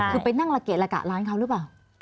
คือไปนั่งละเกะละกะร้านเขาหรือเปล่า